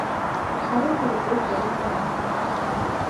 Калык рӱжге совым кыра.